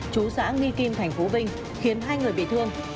chú xã nghi kim tp vinh khiến hai người bị thương